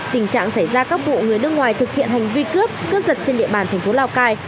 tình trạng xảy ra các vụ người nước ngoài thực hiện hành vi cướp cướp giật trên địa bàn thành phố lào cai